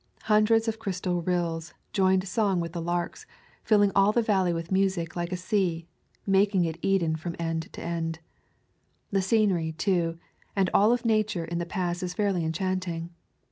Hundreds of crystal rills joined song with the larks, filling all the valley with music like a sea, making it Eden from end to end. The scenery, too, and all of nature in the Pass is fairly enchanting.